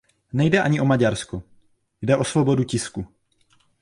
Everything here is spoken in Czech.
Nejde ani o Maďarsko; jde o svobodu tisku.